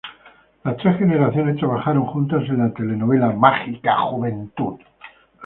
Las tres generaciones trabajaron juntas en la telenovela "Mágica juventud".